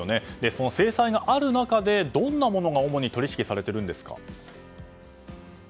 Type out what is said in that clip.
その制裁がある中でどんなものが主に取引されているんですか？